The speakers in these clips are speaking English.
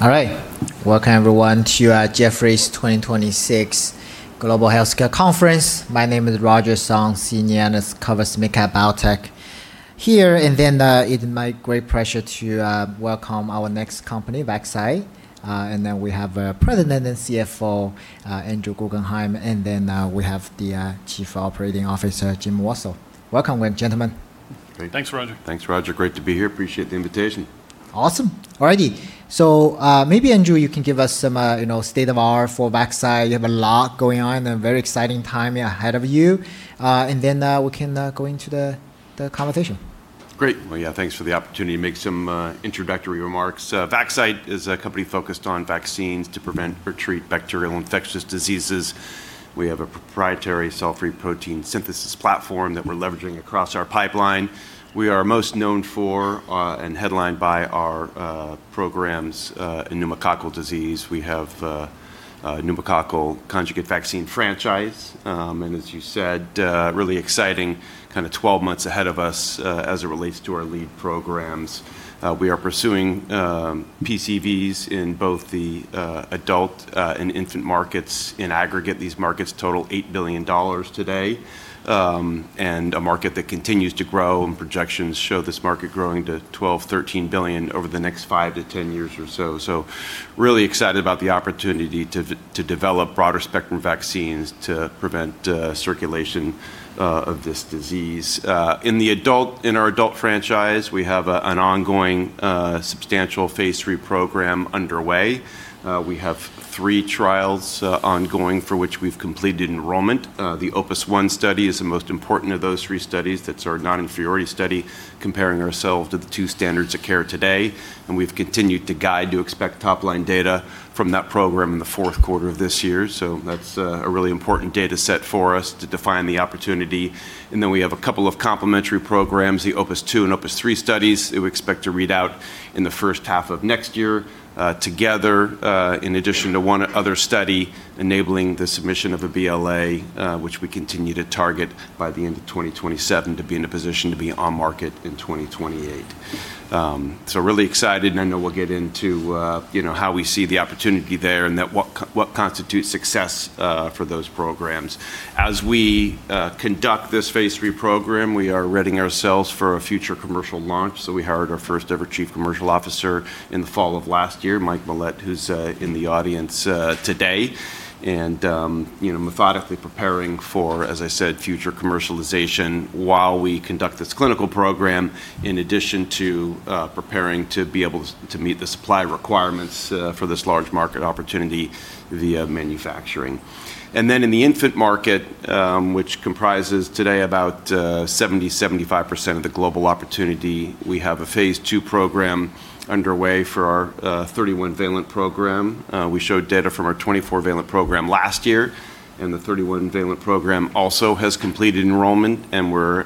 All right. Welcome everyone to our Jefferies 2026 Global Healthcare Conference. My name is Roger Song, senior analyst, covers med tech, biotech here. It's my great pleasure to welcome our next company, Vaxcyte. We have President and CFO, Andrew Guggenhime, we have the Chief Operating Officer, Jim Wassil. Welcome, gentlemen. Great. Thanks, Roger. Thanks, Roger. Great to be here. Appreciate the invitation. Awesome. All righty. Maybe Andrew, you can give us some statement for Vaxcyte. You have a lot going on and a very exciting time ahead of you. We can go into the conversation. Thanks for the opportunity to make some introductory remarks. Vaxcyte is a company focused on vaccines to prevent or treat bacterial infectious diseases. We have a proprietary cell-free protein synthesis platform that we're leveraging across our pipeline. We are most known for and headlined by our programs in pneumococcal disease. We have a pneumococcal conjugate vaccine franchise. As you said, really exciting kind of 12 months ahead of us as it relates to our lead programs. We are pursuing PCVs in both the adult and infant markets. In aggregate, these markets total $8 billion today. Projections show this market growing to $12 billion, $13 billion over the next 5 to 10 years or so. Really excited about the opportunity to develop broader spectrum vaccines to prevent circulation of this disease. In our adult franchise, we have an ongoing substantial phase III program underway. We have three trials ongoing for which we've completed enrollment. The OPUS-1 study is the most important of those three studies. That's our non-inferiority study comparing ourselves to the two standards of care today. We've continued to guide to expect top-line data from that program in the fourth quarter of this year. That's a really important data set for us to define the opportunity. Then we have a couple of complementary programs, the OPUS-2 and OPUS-3 studies that we expect to read out in the first half of next year. Together, in addition to one other study enabling the submission of a BLA, which we continue to target by the end of 2027 to be in a position to be on market in 2028. Really excited, and I know we'll get into how we see the opportunity there and what constitutes success for those programs. As we conduct this phase III program, we are readying ourselves for a future commercial launch. We hired our first-ever Chief Commercial Officer in the fall of last year, Mike Mullette, who's in the audience today. Methodically preparing for, as I said, future commercialization while we conduct this clinical program, in addition to preparing to be able to meet the supply requirements for this large market opportunity via manufacturing. In the infant market, which comprises today about 70%-75% of the global opportunity, we have a phase II program underway for our 31-valent program. We showed data from our 24-valent program last year, and the 31-valent program also has completed enrollment, and we're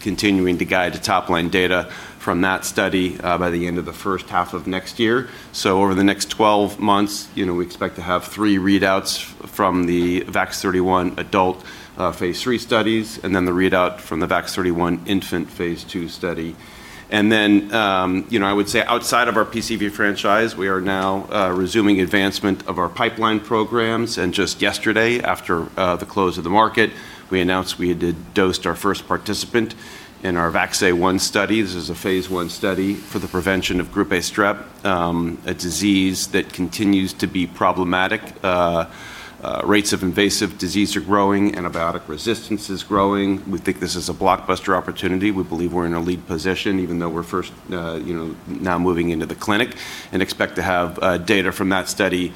continuing to guide to top-line data from that study by the end of the first half of next year. Over the next 12 months, we expect to have three readouts from the VAX-31 adult phase III studies, and then the readout from the VAX-31 infant phase II study. Then I would say outside of our PCV franchise, we are now resuming advancement of our pipeline programs. Just yesterday, after the close of the market, we announced we had dosed our first participant in our VAX-A1 study. This is a phase I study for the prevention of Group A Strep, a disease that continues to be problematic. Rates of invasive disease are growing. Antibiotic resistance is growing. We think this is a blockbuster opportunity. We believe we're in a lead position, even though we're first now moving into the clinic, and expect to have data from that study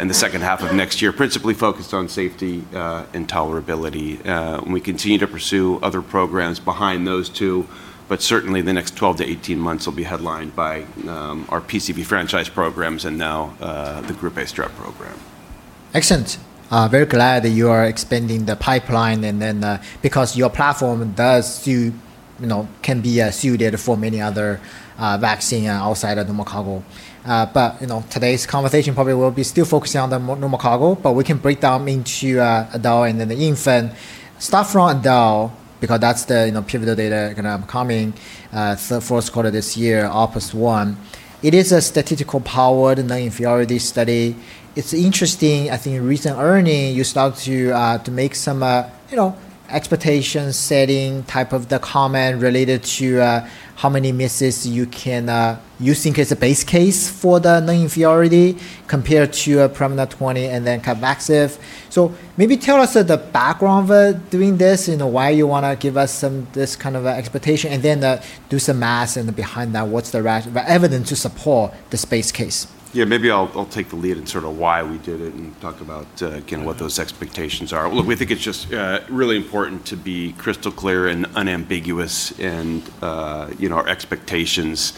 in the second half of next year, principally focused on safety and tolerability. We continue to pursue other programs behind those two, but certainly the next 12-18 months will be headlined by our PCV franchise programs and now the Group A Strep program. Excellent. Very glad that you are expanding the pipeline, and then because your platform can be suited for many other vaccine outside of pneumococcal. Today's conversation probably will be still focusing on the pneumococcal, but we can break down into adult and then the infant. Start from adult, because that's the pivotal data going to come in third, fourth quarter this year, OPUS-1. It is a statistically powered non-inferiority study. It's interesting. I think in recent earnings, you start to make some expectation setting type of the comment related to how many misses you think is a base case for the non-inferiority compared to PREVNAR 20 and then CAPVAXIVE. Maybe tell us the background of doing this and why you want to give us this kind of expectation, and then do some math and behind that, what's the evidence to support this base case? Yeah, maybe I'll take the lead in sort of why we did it and talk about, again, what those expectations are. Look, we think it's just really important to be crystal clear and unambiguous in our expectations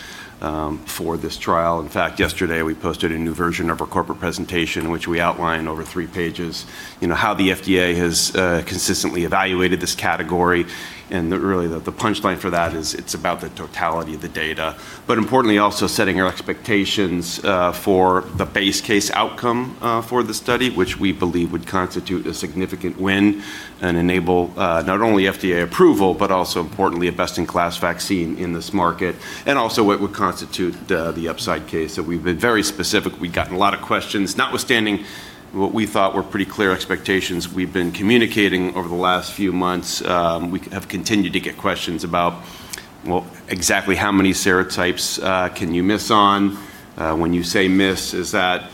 for this trial. In fact, yesterday we posted a new version of our corporate presentation, which we outlined over three pages, how the FDA has consistently evaluated this category, and really the punchline for that is it's about the totality of the data. Importantly, also setting our expectations for the base case outcome for the study, which we believe would constitute a significant win and enable not only FDA approval, but also importantly, a best-in-class vaccine in this market. Also what would constitute the upside case. We've been very specific. We've gotten a lot of questions, notwithstanding what we thought were pretty clear expectations we've been communicating over the last few months. We have continued to get questions about. Well, exactly how many serotypes can you miss on? When you say miss, is that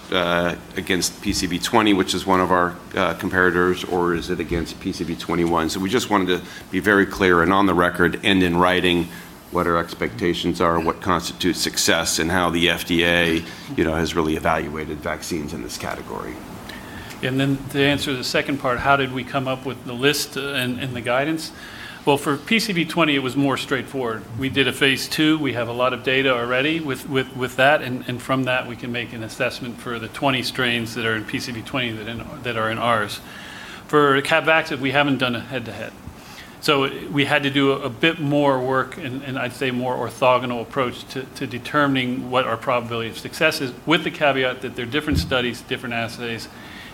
against PCV20, which is one of our comparators, or is it against PCV21? We just wanted to be very clear and on the record and in writing what our expectations are, what constitutes success, and how the FDA has really evaluated vaccines in this category. To answer the second part, how did we come up with the list and the guidance? Well, for PCV20, it was more straightforward. We did a phase II. We have a lot of data already with that, and from that, we can make an assessment for the 20 strains that are in PCV20 that are in ours. For CAPVAXIVE, we haven't done a head-to-head. We had to do a bit more work, and I'd say more orthogonal approach to determining what our probability of success is, with the caveat that they're different studies, different assays,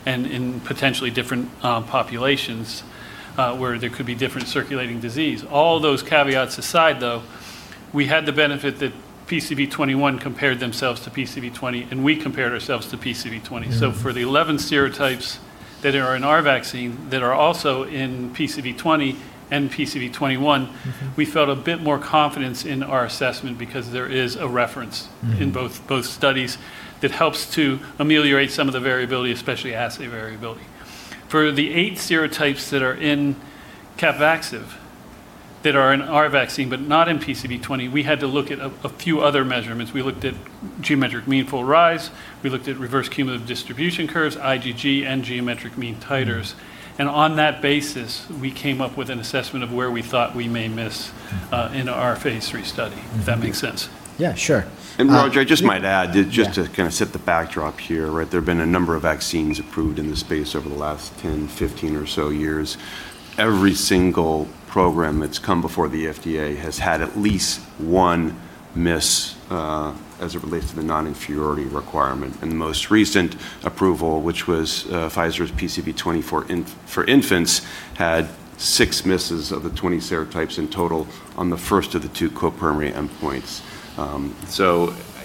and in potentially different populations where there could be different circulating disease. All those caveats aside, though, we had the benefit that PCV21 compared themselves to PCV20, and we compared ourselves to PCV20. For the 11 serotypes that are in our vaccine that are also in PCV20 and PCV21. We felt a bit more confidence in our assessment because there is a reference. In both studies that helps to ameliorate some of the variability, especially assay variability. For the eight serotypes that are in CAPVAXIVE, that are in our vaccine, but not in PCV20, we had to look at a few other measurements. We looked at geometric mean fold rise, we looked at reverse cumulative distribution curves, IgG, and Geometric Mean Titers. On that basis, we came up with an assessment of where we thought we may miss in our phase III study. If that makes sense. Yeah, sure. Roger, I just might add. Yeah Just to kind of set the backdrop here, right? There have been a number of vaccines approved in this space over the last 10, 15 or so years. Every single program that's come before the FDA has had at least one miss as it relates to the non-inferiority requirement. The most recent approval, which was Pfizer's PCV24 for infants, had six misses of the 20 serotypes in total on the first of the two co-primary endpoints.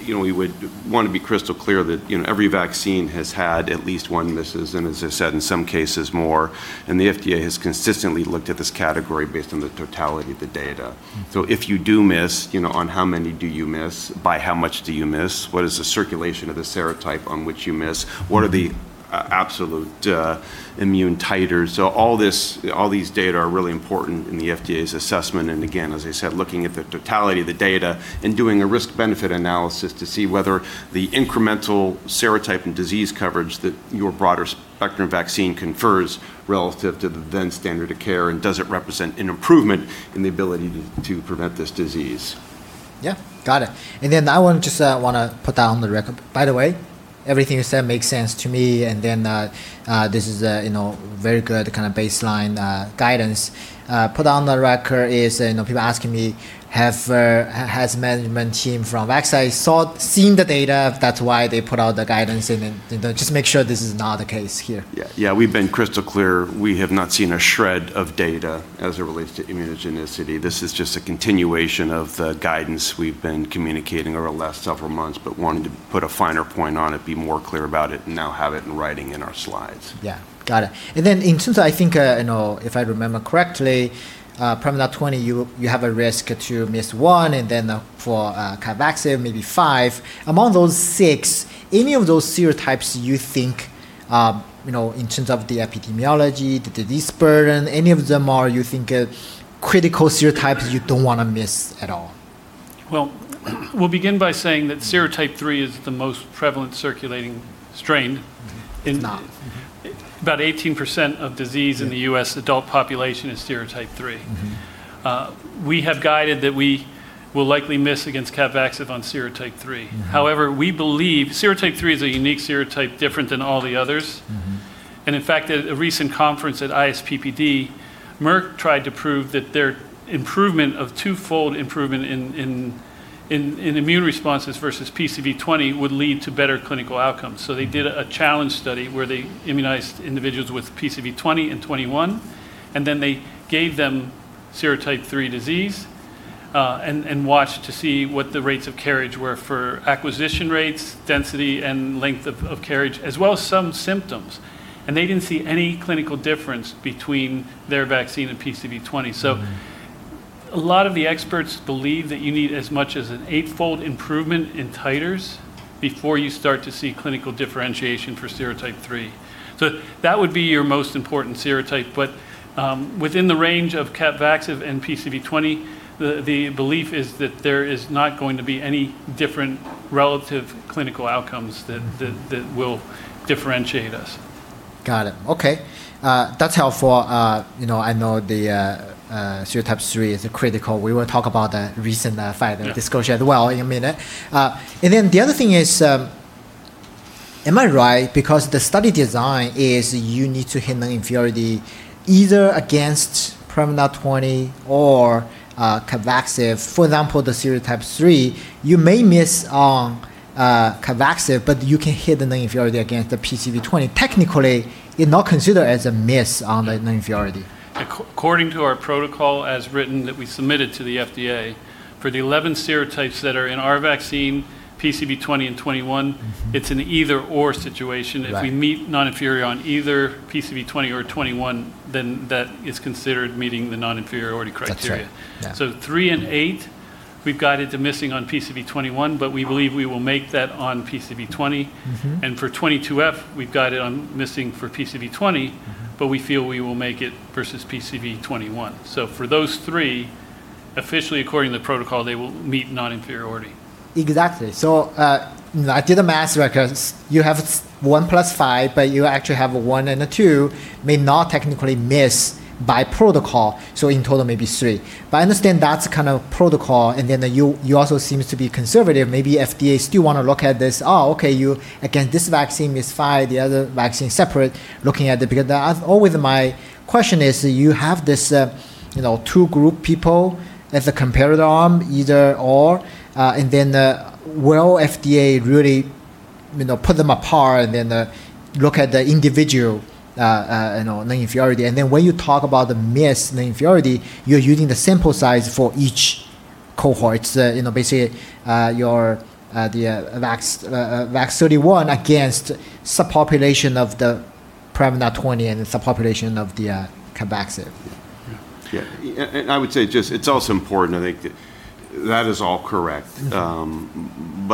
We would want to be crystal clear that every vaccine has had at least one misses, and as I said, in some cases more. The FDA has consistently looked at this category based on the totality of the data. If you do miss, on how many do you miss? By how much do you miss? What is the circulation of the serotype on which you miss? What are the absolute immune titers? All these data are really important in the FDA's assessment. Again, as I said, looking at the totality of the data and doing a risk/benefit analysis to see whether the incremental serotype and disease coverage that your broader spectrum vaccine confers relative to the then standard of care, and does it represent an improvement in the ability to prevent this disease. Yeah, got it. I want to just put that on the record. By the way, everything you said makes sense to me. This is very good kind of baseline guidance. Put on the record is, people asking me, has management team from Vaxcyte seen the data, that's why they put out the guidance? Just make sure this is not the case here. Yeah. We've been crystal clear. We have not seen a shred of data as it relates to immunogenicity. This is just a continuation of the guidance we've been communicating over the last several months, but wanted to put a finer point on it, be more clear about it, and now have it in writing in our slides. Yeah. Got it. Then in terms of, I think, if I remember correctly, PREVNAR 20, you have a risk to miss one, then for CAPVAXIVE, maybe five. Among those six, any of those serotypes you think in terms of the epidemiology, the disease burden, any of them are you think critical serotypes you don't want to miss at all? Well, we'll begin by saying that serotype 3 is the most prevalent circulating strain in. It's not. Mm-hmm. About 18% of disease. Yeah U.S. adult population is serotype 3. We have guided that we will likely miss against CAPVAXIVE on serotype 3. However, we believe serotype 3 is a unique serotype, different than all the others. In fact, at a recent conference at ISPPD, Merck tried to prove that their improvement of 2-fold improvement in immune responses versus PCV20 would lead to better clinical outcomes. They did a challenge study where they immunized individuals with PCV20 and PCV21, and then they gave them serotype 3 disease, and watched to see what the rates of carriage were for acquisition rates, density, and length of carriage, as well as some symptoms. They didn't see any clinical difference between their vaccine and PCV20. A lot of the experts believe that you need as much as an eightfold improvement in titers before you start to see clinical differentiation for serotype 3. That would be your most important serotype. Within the range of CAPVAXIVE and PCV20, the belief is that there is not going to be any different relative clinical outcomes that will differentiate us. Got it. Okay. That's helpful. I know the serotype 3 is critical. We will talk about the recent finding... Yeah -disclosure as well in a minute. The other thing is, am I right? Because the study design is you need to hit non-inferiority either against PREVNAR 20 or CAPVAXIVE. For example, the serotype 3, you may miss on CAPVAXIVE, but you can hit the non-inferiority against the PCV20. Technically, it not consider as a miss on the non-inferiority? According to our protocol as written that we submitted to the FDA, for the 11 serotypes that are in our vaccine, PCV20 and 21. it's an either/or situation. Right. If we meet non-inferior on either PCV20 or 21, that is considered meeting the non-inferiority criteria. That's right. Yeah. We've guided to missing on PCV21, but we believe we will make that on PCV20. For 22F, we've got it on missing for PCV20, but we feel we will make it versus PCV21. For those three, officially, according to the protocol, they will meet non-inferiority. I did the math records. You have one plus five, but you actually have a one and a two, may not technically miss by protocol, so in total maybe three. I understand that's kind of protocol, you also seems to be conservative. Maybe FDA still want to look at this. This vaccine is five, the other vaccine separate looking at it, because always my question is, you have this two group people as a comparator arm, either/or, will FDA really put them apart and then look at the individual non-inferiority. When you talk about the missed non-inferiority, you're using the sample size for each cohort. The VAX-31 against subpopulation of the PREVNAR 20 and the subpopulation of the CAPVAXIVE. Yeah. I would say just, it's also important, I think that is all correct.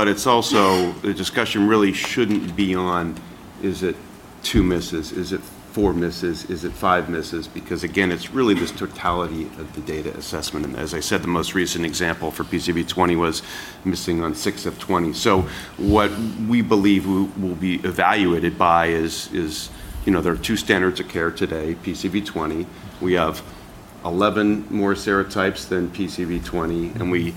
It's also, the discussion really shouldn't be on is it two misses, is it four misses, is it five misses? Because again, it's really this totality of the data assessment. As I said, the most recent example for PCV20 was missing on six of 20. So what we believe we will be evaluated by is, there are two standards of care today, PCV20. We have 11 more serotypes than PCV20, and we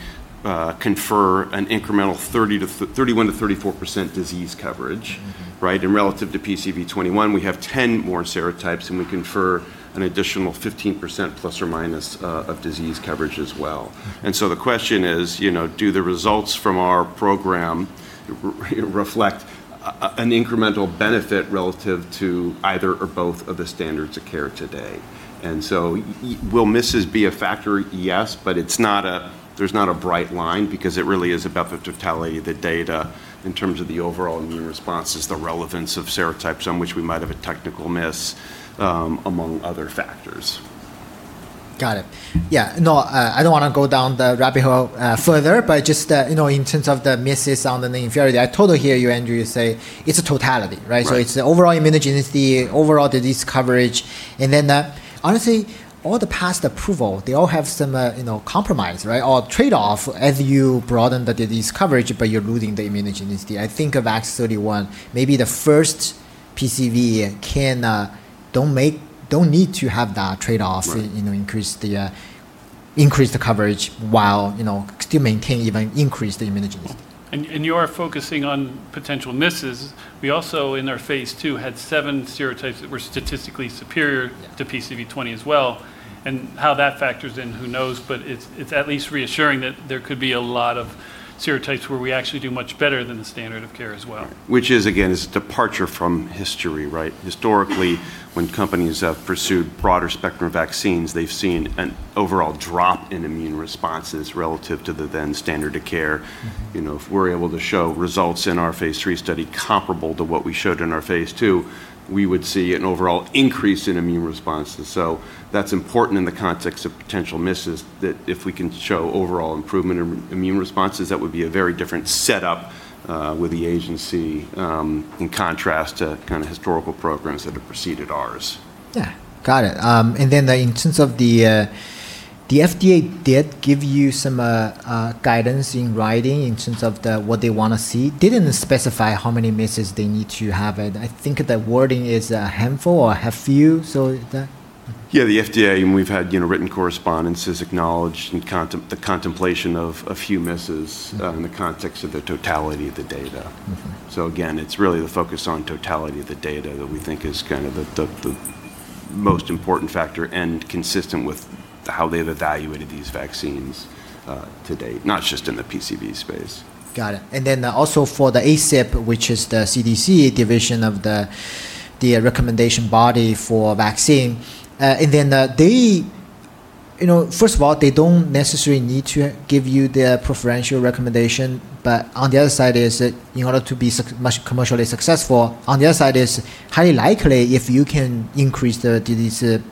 confer an incremental 31%-34% disease coverage. Right? Relative to PCV21, we have 10 more serotypes, and we confer an additional 15% ± of disease coverage as well. The question is, do the results from our program reflect an incremental benefit relative to either or both of the standards of care today? Will misses be a factor? Yes, but there's not a bright line because it really is about the totality of the data in terms of the overall immune responses, the relevance of serotypes on which we might have a technical miss, among other factors. Got it. Yeah. No, I don't want to go down the rabbit hole further, but just that, in terms of the misses on the non-inferiority, I totally hear you, Andrew, you say it's a totality, right? Right. It's the overall immunogenicity, overall disease coverage, and then, honestly, all the past approval, they all have some compromise, right? Trade-off as you broaden the disease coverage, but you're losing the immunogenicity. I think of VAX-31, maybe the first PCV don't need to have that trade-off. Right. Increase the coverage while still maintain, even increase the immunogenicity. You are focusing on potential misses. We also, in our phase II, had seven serotypes that were statistically superior to PCV20 as well. How that factors in, who knows? It's at least reassuring that there could be a lot of serotypes where we actually do much better than the standard of care as well. Which is, again, is a departure from history, right? Historically, when companies have pursued broader spectrum vaccines, they've seen an overall drop in immune responses relative to the then standard of care. If we're able to show results in our phase III study comparable to what we showed in our phase II, we would see an overall increase in immune responses. That's important in the context of potential misses, that if we can show overall improvement in immune responses, that would be a very different setup with the agency, in contrast to kind of historical programs that have preceded ours. Yeah. Got it. In terms of the FDA did give you some guidance in writing in terms of what they want to see. Didn't specify how many misses they need to have. I think the wording is a handful or a few. Yeah, the FDA, and we've had written correspondences acknowledged, and the contemplation of a few misses in the context of the totality of the data. Again, it's really the focus on totality of the data that we think is kind of the most important factor and consistent with how they've evaluated these vaccines to date, not just in the PCV space. Got it. Also for the ACIP, which is the CDC division of the recommendation body for vaccine. First of all, they don't necessarily need to give you their preferential recommendation. On the other side is that in order to be much commercially successful, on the other side is highly likely if you can increase the disease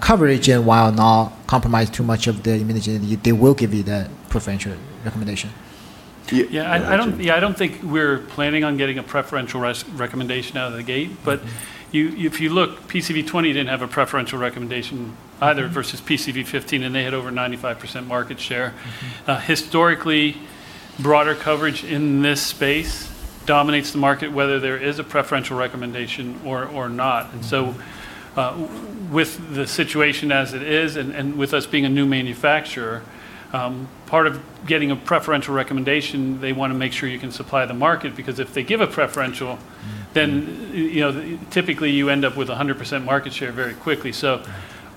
coverage and while not compromise too much of the immunogenicity, they will give you the preferential recommendation. Yeah. I don't think we're planning on getting a preferential recommendation out of the gate. If you look, PCV20 didn't have a preferential recommendation either versus PCV15, and they had over 95% market share. Historically, broader coverage in this space dominates the market, whether there is a preferential recommendation or not. With the situation as it is and with us being a new manufacturer, part of getting a preferential recommendation, they want to make sure you can supply the market, because if they give a preferential, then typically you end up with 100% market share very quickly.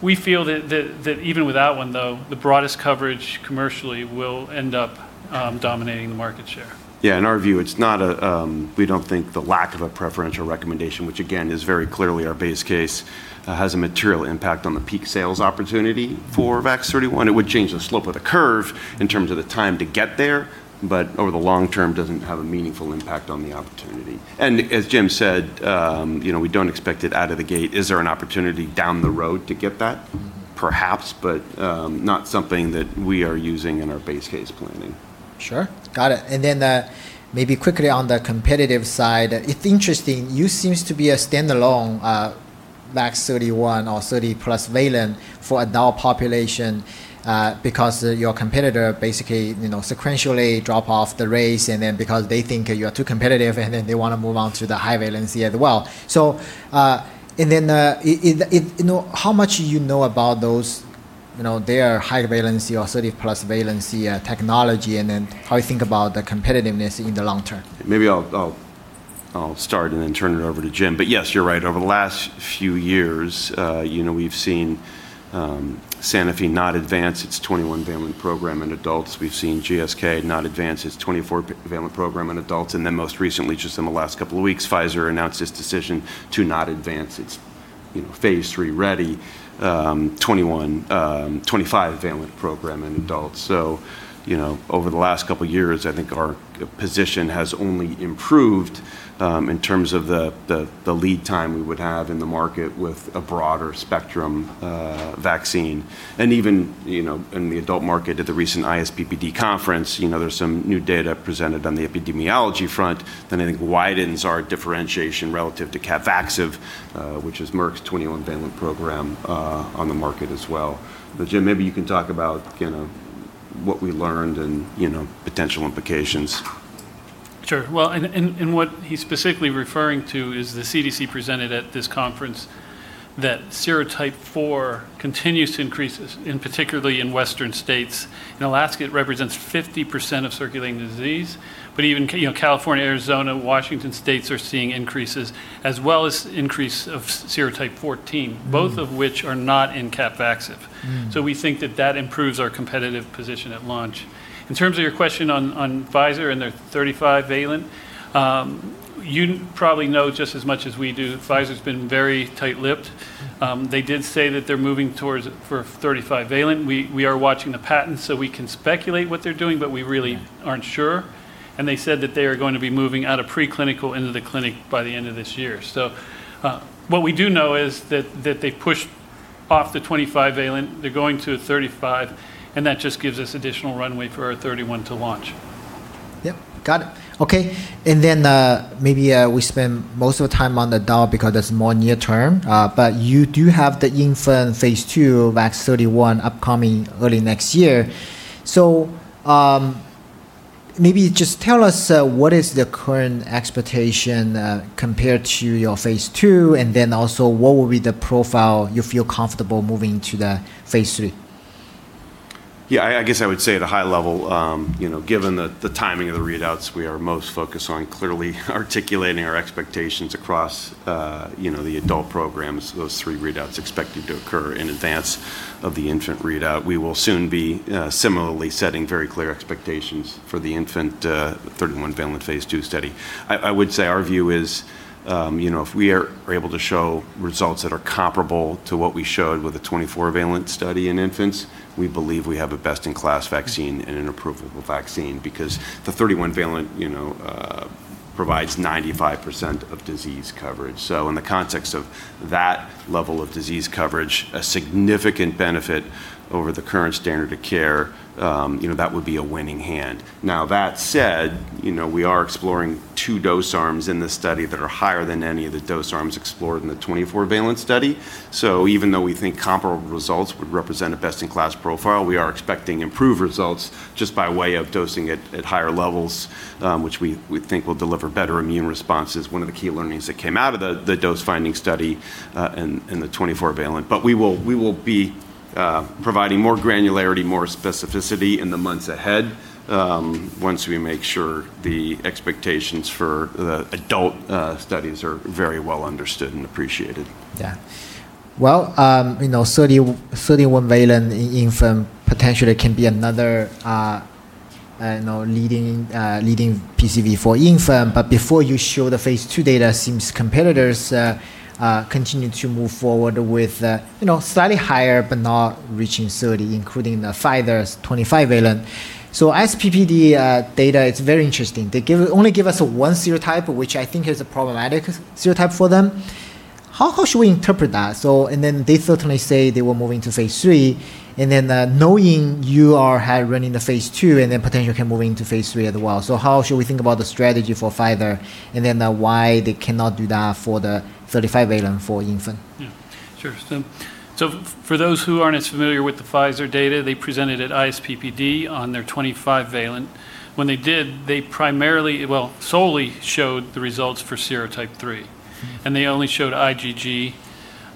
We feel that even without one, though, the broadest coverage commercially will end up dominating the market share. Yeah. In our view, we don't think the lack of a preferential recommendation, which again is very clearly our base case, has a material impact on the peak sales opportunity for VAX-31. It would change the slope of the curve in terms of the time to get there, but over the long term, doesn't have a meaningful impact on the opportunity. As Jim said, we don't expect it out of the gate. Is there an opportunity down the road to get that? Perhaps, but not something that we are using in our base case planning. Sure, got it. Maybe quickly on the competitive side, it's interesting, you seems to be a standalone VAX-31 or 30-plus valent for adult population, because your competitor basically sequentially drop off the race, and then because they think you are too competitive and then they want to move on to the high valency as well. How much you know about their high valency or 30+ valency technology, and then how you think about the competitiveness in the long-term? Maybe I'll start and then turn it over to Jim. Yes, you're right. Over the last few years, we've seen Sanofi not advance its 21-valent program in adults. We've seen GSK not advance its 24-valent program in adults. Most recently, just in the last couple of weeks, Pfizer announced its decision to not advance its phase III-ready 25-valent program in adults. Over the last couple of years, I think our position has only improved in terms of the lead time we would have in the market with a broader spectrum vaccine. Even in the adult market at the recent ISPPD conference, there's some new data presented on the epidemiology front that I think widens our differentiation relative to CAPVAXIVE, which is Merck's 21-valent program on the market as well. Jim, maybe you can talk about what we learned and potential implications. Sure. Well, what he's specifically referring to is the CDC presented at this conference that serotype 4 continues to increase, particularly in Western states. In Alaska, it represents 50% of circulating disease. Even California, Arizona, Washington, states are seeing increases, as well as increase of serotype 14, both of which are not in CAPVAXIVE. We think that that improves our competitive position at launch. In terms of your question on Pfizer and their 35-valent, you probably know just as much as we do. Pfizer's been very tight-lipped. They did say that they're moving towards for 35-valent. We are watching the patent, so we can speculate what they're doing, but we really aren't sure. They said that they are going to be moving out of preclinical into the clinic by the end of this year. What we do know is that they pushed off the 25-valent. They're going to a 35, and that just gives us additional runway for our 31 to launch. Yep. Got it. Okay. Maybe we spend most of the time on adult because that's more near-term. You do have the infant phase II VAX-31 upcoming early next year. Maybe just tell us what is the current expectation compared to your phase II, and then also what will be the profile you feel comfortable moving to the phase III? Yeah, I guess I would say at a high level, given the timing of the readouts, we are most focused on clearly articulating our expectations across the adult programs, those 3 readouts expected to occur in advance of the infant readout. We will soon be similarly setting very clear expectations for the infant 31-valent phase II study. I would say our view is, if we are able to show results that are comparable to what we showed with a 24-valent study in infants, we believe we have a best-in-class vaccine and an approvable vaccine because the 31-valent provides 95% of disease coverage. In the context of that level of disease coverage, a significant benefit over the current standard of care, that would be a winning hand. That said, we are exploring two dose arms in this study that are higher than any of the dose arms explored in the 24-valent study. Even though we think comparable results would represent a best-in-class profile, we are expecting improved results just by way of dosing at higher levels, which we think will deliver better immune responses. One of the key learnings that came out of the dose-finding study in the 24-valent. We will be providing more granularity, more specificity in the months ahead, once we make sure the expectations for the adult studies are very well understood and appreciated. Yeah. Well, 31-valent in infant potentially can be another leading PCV for infant. Before you show the phase II data, seems competitors continue to move forward with slightly higher but not reaching 30, including Pfizer's 25-valent. ISPPD data, it's very interesting. They only give us one serotype, which I think is a problematic serotype for them. How should we interpret that? They certainly say they were moving to phase III, and then knowing you are running the phase II and then potentially can move into phase III as well. How should we think about the strategy for Pfizer, and then why they cannot do that for the 35-valent for infant? Yeah. Sure. For those who aren't as familiar with the Pfizer data, they presented at ISPPD on their 25-valent. When they did, they primarily, well, solely showed the results for serotype 3. They only showed IgG,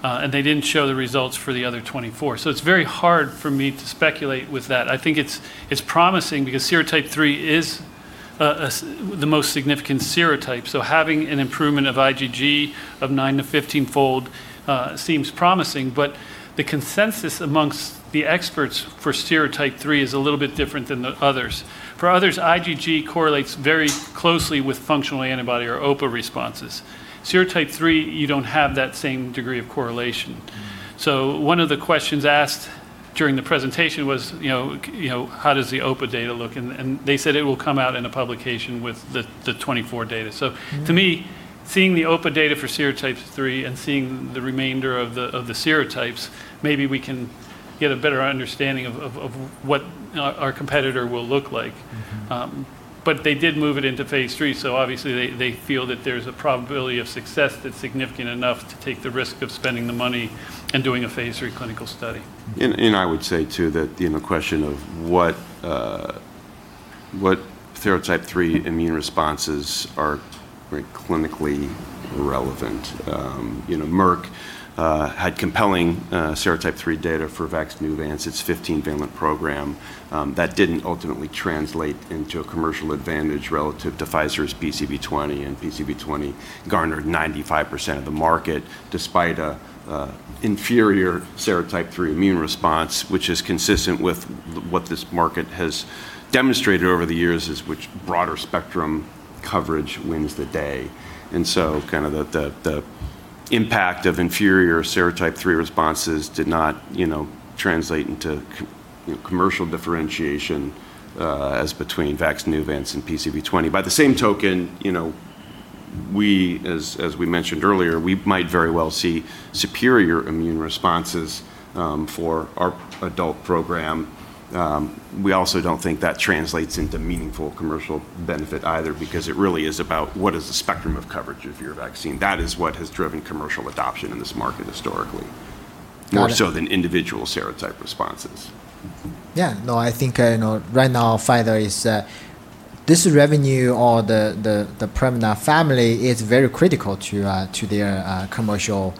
and they didn't show the results for the other 24. It's very hard for me to speculate with that. I think it's promising because serotype 3 is the most significant serotype, so having an improvement of IgG of 9 to 15-fold seems promising. The consensus amongst the experts for serotype 3 is a little bit different than the others. For others, IgG correlates very closely with functional antibody or OPA responses. Serotype 3, you don't have that same degree of correlation. One of the questions asked during the presentation was, how does the OPA data look? They said it will come out in a publication with the 2024 data. To me, seeing the OPA data for serotypes 3 and seeing the remainder of the serotypes, maybe we can get a better understanding of what our competitor will look like. They did move it into phase III, so obviously they feel that there's a probability of success that's significant enough to take the risk of spending the money and doing a phase III clinical study. I would say, too, that the question of what serotype 3 immune responses are clinically relevant. Merck had compelling serotype 3 data for VAXNEUVANCE, its 15-valent program. That didn't ultimately translate into a commercial advantage relative to Pfizer's PCV20. PCV20 garnered 95% of the market despite an inferior serotype 3 immune response, which is consistent with what this market has demonstrated over the years, is which broader spectrum coverage wins the day. The impact of inferior serotype 3 responses did not translate into commercial differentiation as between VAXNEUVANCE and PCV20. By the same token, as we mentioned earlier, we might very well see superior immune responses for our adult program. We also don't think that translates into meaningful commercial benefit either, because it really is about what is the spectrum of coverage of your vaccine. That is what has driven commercial adoption in this market historically. Got it. More so than individual serotype responses. Yeah. No, I think right now Pfizer. This revenue or the PREVNAR family is very critical to their commercial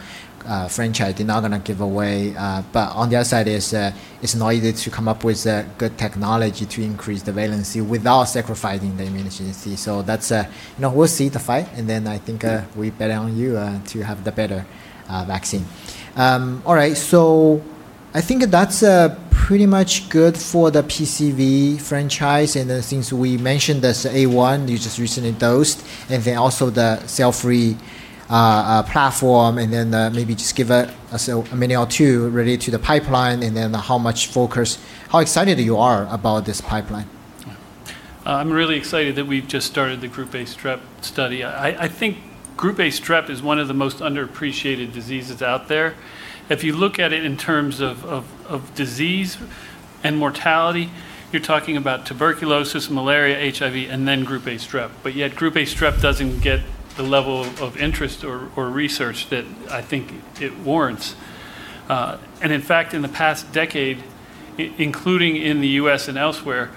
franchise. They're not going to give away. On the other side, it's not easy to come up with good technology to increase the valency without sacrificing the immunogenicity. We'll see the fight, and then I think we bet on you to have the better vaccine. All right. I think that's pretty much good for the PCV franchise. Since we mentioned this A1 you just recently dosed, and then also the cell-free platform. Maybe just give a minute or two related to the pipeline and then how much focus, how excited you are about this pipeline. I'm really excited that we've just started the Group A Strep study. I think Group A Strep is one of the most underappreciated diseases out there. If you look at it in terms of disease and mortality, you're talking about tuberculosis, malaria, HIV, and then Group A Strep. Group A Strep doesn't get the level of interest or research that I think it warrants. In fact, in the past decade, including in the U.S. and elsewhere,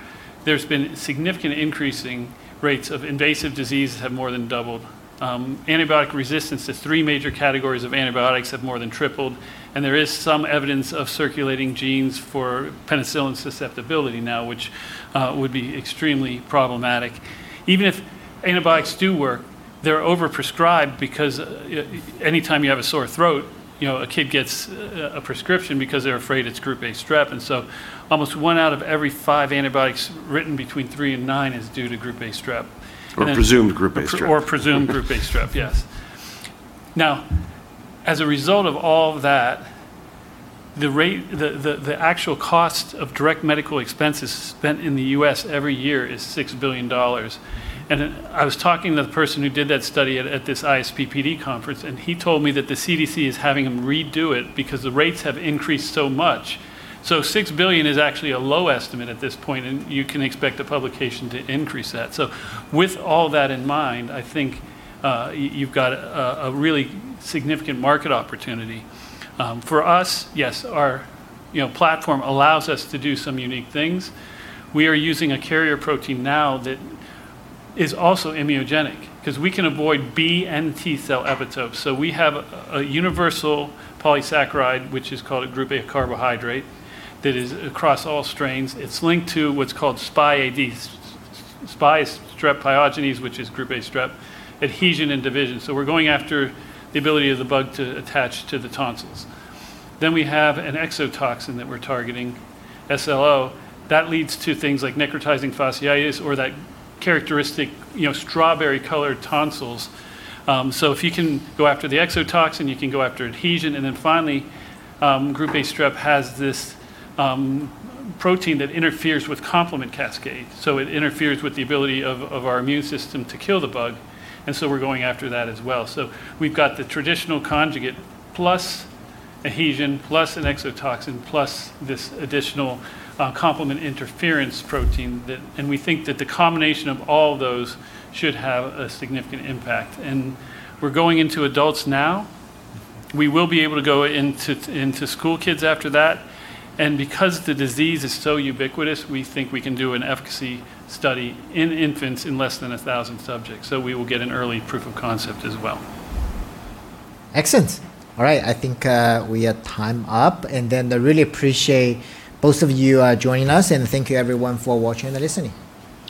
there's been significant increasing rates of invasive disease have more than doubled. Antibiotic resistance to three major categories of antibiotics have more than tripled. There is some evidence of circulating genes for penicillin susceptibility now, which would be extremely problematic. Even if antibiotics do work, they're over-prescribed because any time you have a sore throat, a kid gets a prescription because they're afraid it's Group A Strep. Almost one out of every five antibiotics written between three and nine is due to Group A Strep. Presumed Group A Strep. Presumed Group A Strep, yes. As a result of all that, the actual cost of direct medical expenses spent in the U.S. every year is $6 billion. I was talking to the person who did that study at this ISPPD conference, and he told me that the CDC is having him redo it because the rates have increased so much. $6 billion is actually a low estimate at this point, and you can expect the publication to increase that. With all that in mind, I think you've got a really significant market opportunity. For us, yes, our platform allows us to do some unique things. We are using a carrier protein now that is also immunogenic because we can avoid B and T cell epitopes. We have a universal polysaccharide, which is called a Group A carbohydrate, that is across all strains. It's linked to what's called SpyAD, Streptococcus pyogenes, which is Group A Strep, adhesion, and division. We're going after the ability of the bug to attach to the tonsils. We have an exotoxin that we're targeting, SLO, that leads to things like necrotizing fasciitis or that characteristic strawberry-colored tonsils. If you can go after the exotoxin, you can go after adhesion. Finally, Group A Strep has this protein that interferes with complement cascade. It interferes with the ability of our immune system to kill the bug, and so we're going after that as well. We've got the traditional conjugate plus adhesion, plus an exotoxin, plus this additional complement interference protein. We think that the combination of all those should have a significant impact. We're going into adults now. We will be able to go into school kids after that. Because the disease is so ubiquitous, we think we can do an efficacy study in infants in less than 1,000 subjects. We will get an early proof of concept as well. Excellent. All right. I think we are time up. I really appreciate both of you joining us, and thank you, everyone, for watching and listening.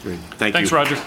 Great. Thank you. Thanks, Roger